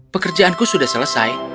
pekerjaanku sudah selesai